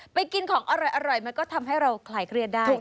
ไปกินของอร่อยมันก็ทำให้เราคลายเครียดได้